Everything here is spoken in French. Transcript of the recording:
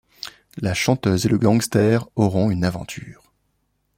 La chanteuse et le gangster auront une aventure.